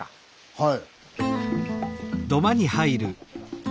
はい。